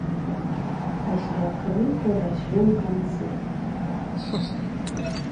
Пасля крыху развёў канцы.